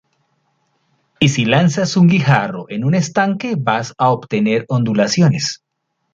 Y sí lanzas un guijarro en un estanque, vas a obtener ondulaciones.